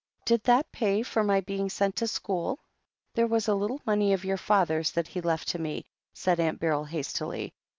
"Did that pay for my being sent to school ?" "There was a little money of your father's, that he left to me," said Aunt Beryl hastily.